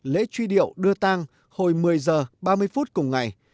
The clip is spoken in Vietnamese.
lễ truy điệu đưa tang hồi một mươi h ba mươi phút cùng ngày